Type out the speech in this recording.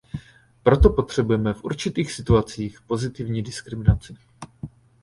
Proto potřebujeme v určitých situacích pozitivní diskriminaci.